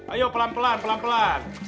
ayo pelan pelan pelan pelan